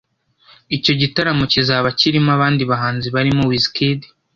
Icyo gitaramo kizaba kirimo abandi bahanzi barimo Wiz Kid